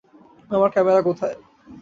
আমার ক্যামেরা কোথায়?